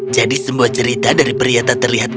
jadi semua cerita dari periata terlihatnya